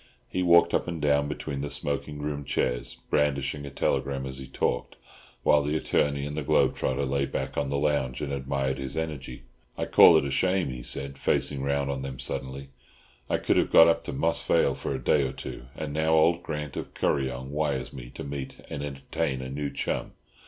He walked up and down between the smoking room chairs, brandishing a telegram as he talked, while the attorney and the globe trotter lay back on the lounge and admired his energy. "I call it a shame," he said, facing round on them suddenly; "I could have got up to Moss Vale for a day or two, and now old Grant of Kuryong wires me to meet and entertain a new chum.